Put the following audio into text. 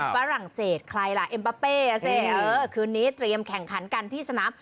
ฝรั่งเศสใครล่ะเอ็มปะเป้อ่ะสิคืนนี้เตรียมแข่งขันกันที่สนาม